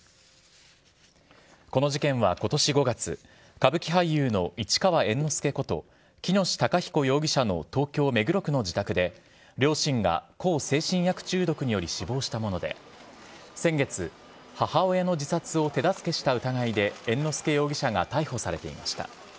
この事件はことし５月、歌舞伎俳優の市川猿之助こと、喜熨斗孝彦容疑者の東京・目黒区の自宅で、両親が向精神薬中毒により死亡したもので、先月、母親の自殺を手助けした疑いで猿之助容疑者が逮捕されていました。